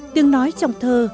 tiếng nói trong thơ